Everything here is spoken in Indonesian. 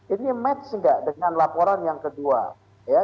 ini match nggak dengan laporan yang kedua ya